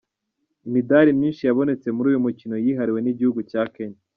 Imidari myinshi yabonetse muri uyu mukino yihariwe n’igihugu cya Kenya.